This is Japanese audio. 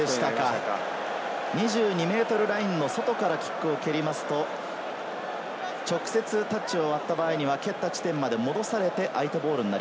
２２ｍラインの外からキックを蹴ると直接タッチを割った場合に蹴った地点まで戻されて相手ボールにな